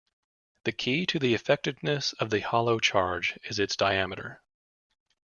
The key to the effectiveness of the hollow charge is its diameter.